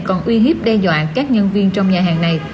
còn uy hiếp đe dọa các nhân viên trong nhà hàng này